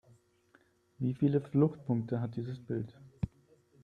Wie viele Fluchtpunkte hat dieses Bild?